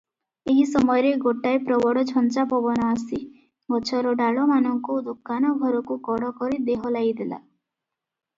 ଏହି ସମୟରେ ଗୋଟାଏ ପ୍ରବଳ ଝଞ୍ଜା ପବନ ଆସି ଗଛର ଡାଳମାନଙ୍କୁ ଦୋକାନ ଘରକୁ କଡ଼କରି ଦେହଲାଇଦେଲା ।